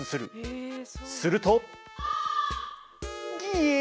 すると。